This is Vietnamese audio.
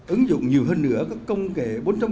ứng dụng nhiều hơn nữa các công kệ bốn